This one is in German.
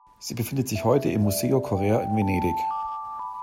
Sie befindet sich heute im Museo Correr in Venedig.